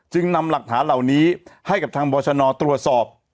นำหลักฐานเหล่านี้ให้กับทางบรชนตรวจสอบ